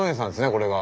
これが。